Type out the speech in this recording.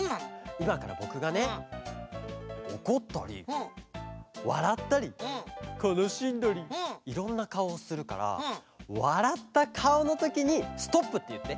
いまからぼくがねおこったりわらったりかなしんだりいろんなかおをするからわらったかおのときに「ストップ」っていって。